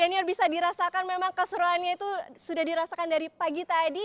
daniel bisa dirasakan memang keseruannya itu sudah dirasakan dari pagi tadi